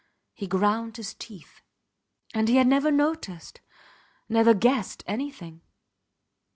He ground his teeth ... And he had never noticed, never guessed anything.